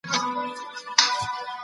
ده په پښتو کې غزل او قصيده داخل کړل